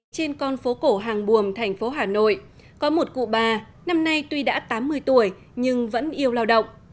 trên con phố cổ hàng buồm thành phố hà nội có một cụ bà năm nay tuy đã tám mươi tuổi nhưng vẫn yêu lao động